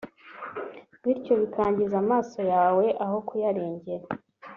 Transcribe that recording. bityo bikangiza amaso yawe aho kuyarengera